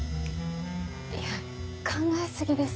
いや考え過ぎですよ。